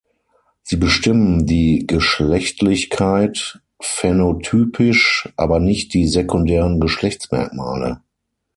Sie bestimmen die Geschlechtlichkeit phänotypisch, aber nicht die sekundären Geschlechtsmerkmale.